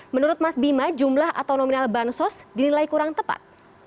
menurut mas bima jumlah atau nominal bansos dinilai kurang tepat